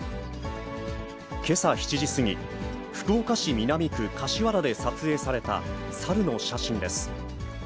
けさ７時過ぎ、福岡市南区柏原で撮影された猿の写真です。